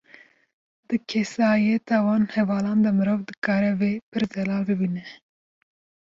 Di kesayeta van hevalan de mirov dikarê vê, pir zelal bibîne